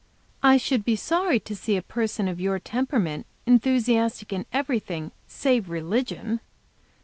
"I should be sorry to see a person of your temperament enthusiastic in everything save religion.